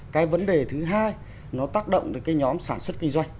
cái vấn đề thứ hai nó tác động tới cái nhóm sản xuất kinh doanh